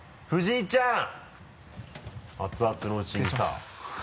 藤井ちゃん。